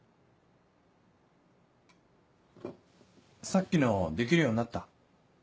さっきのできるようになった？